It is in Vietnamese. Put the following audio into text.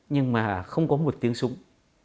nhưng mà không có một tiếng súng